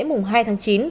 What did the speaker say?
mùng hai tháng chín